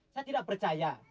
saya tidak percaya